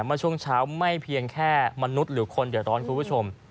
เมื่อช่วงเช้าไม่เพียงแค่มนุษย์หรือคนเดือดร้อนคุณผู้ชม